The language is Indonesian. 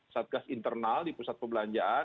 satgas internal di pusat perbelanjaan